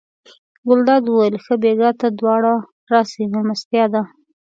ګلداد وویل ښه بېګا ته دواړه راسئ مېلمستیا ده.